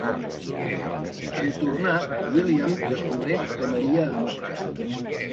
En tornar, William descobreix que Maria ha marxat.